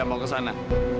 aku mau ke sana